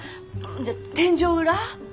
じゃあ天井裏？